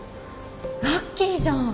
ラッキーじゃん。